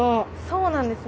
そうなんです。